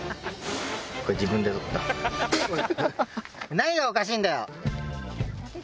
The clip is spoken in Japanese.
何がおかしいんだよ！